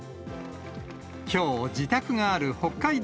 きょう自宅がある北海道